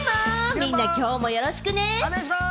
みんなきょうもよろしくね。